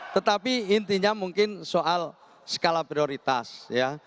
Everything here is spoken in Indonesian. tetapi intinya mungkin soal skala prioritas ya